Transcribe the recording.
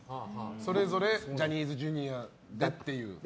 ぞれぞれジャニーズＪｒ．でっていう？